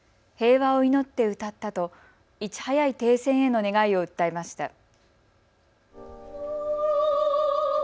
平和を祈って歌ったといち早い停戦への願いを訴えました。